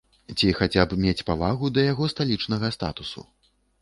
Ці хаця б мець павагу да яго сталічнага статусу.